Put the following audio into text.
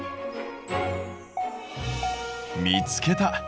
見つけた。